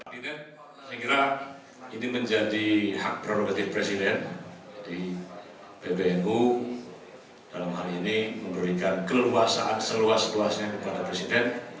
saya kira ini menjadi hak prerogatif presiden di pbnu dalam hal ini memberikan keleluasaan seluas luasnya kepada presiden